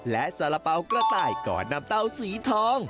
และสาระเป๋ากระต่ายก่อนนำเตาสีทอง